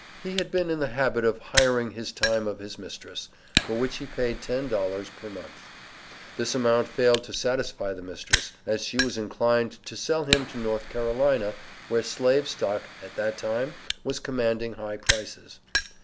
He had been in the habit of hiring his time of his mistress, for which he paid ten dollars per month. This amount failed to satisfy the mistress, as she was inclined to sell him to North Carolina, where Slave stock, at that time, was commanding high prices.